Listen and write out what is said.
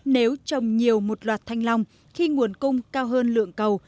nếu trồng nhiều một loạt thanh long khi nguồn cung cao hơn lượng cầu